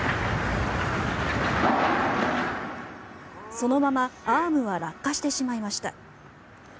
そのままアームは落下してしまいました。